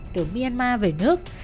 từ myanmar về nước